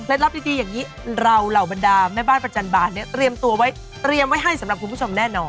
รับดีอย่างนี้เราเหล่าบรรดาแม่บ้านประจันบาลเนี่ยเตรียมตัวไว้เตรียมไว้ให้สำหรับคุณผู้ชมแน่นอน